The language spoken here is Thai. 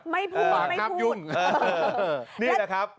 ไม่พูดไม่พูดนี่แหละครับปางห้ามญุ่น